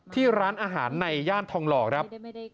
ที่ร้านอาหารในย่านทองหล่อครับ